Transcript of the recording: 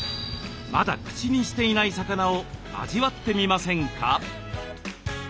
まだ口にしていない魚を味わってみませんか？